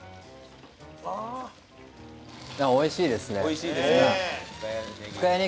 おいしいですか？